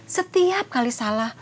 setiap kali salah